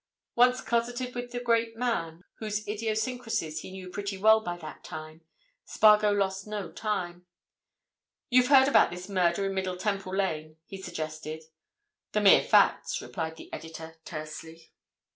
Once closeted with the great man, whose idiosyncrasies he knew pretty well by that time, Spargo lost no time. "You've heard about this murder in Middle Temple Lane?" he suggested. "The mere facts," replied the editor, tersely.